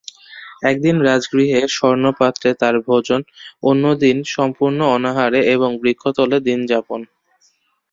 একদিন রাজগৃহে স্বর্ণপাত্রে তাঁর ভোজন, অন্যদিন সম্পূর্ণ অনাহারে এবং বৃক্ষতলে দিনযাপন।